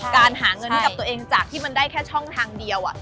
การหาเงินให้กับตัวเองจากที่มันได้แค่ช่องทางเดียว